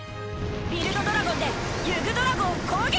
ビルド・ドラゴンでユグドラゴを攻撃！